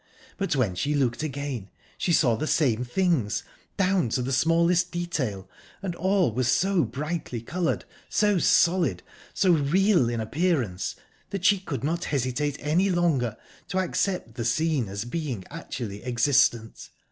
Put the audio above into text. But when she looked again she saw the same things, down to the smallest detail, and all was so brightly coloured, so solid, so real in appearance, that she could not hesitate any longer to accept the scene as being actually existent...